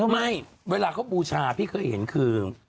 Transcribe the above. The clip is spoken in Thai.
ไม่เวลาเขาบูชาพี่เคยเห็นคือ